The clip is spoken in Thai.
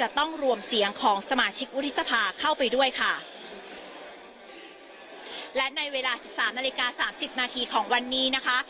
จะต้องรวมเสียงของสมาชิกวุฒิสภาเข้าไปด้วยค่ะและในเวลาสิบสามนาฬิกาสามสิบนาทีของวันนี้นะคะ